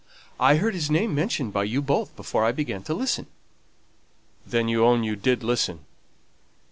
I heard his name mentioned by you both before I began to listen." "Then you own you did listen?"